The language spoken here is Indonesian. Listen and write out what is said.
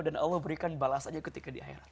dan allah berikan balasannya ketika di akhirat